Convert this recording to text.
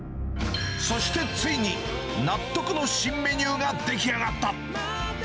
そしてついに、納得の新メニューが出来上がった。